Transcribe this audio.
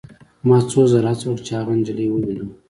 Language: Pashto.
ما څو ځله هڅه وکړه چې هغه نجلۍ ووینم